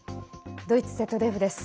ドイツＺＤＦです。